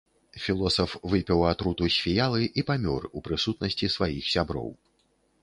Філосаф выпіў атруту з фіялы і памёр у прысутнасці сваіх сяброў.